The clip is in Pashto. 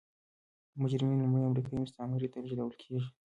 مجرمین لومړی امریکايي مستعمرې ته لېږدول کېدل.